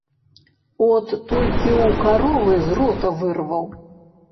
От толькі ў каровы з рота вырваў.